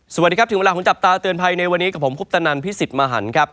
สวัสดีครับถึงเวลาของจับตาเตือนภัยในวันนี้กับผมคุปตนันพิสิทธิ์มหันครับ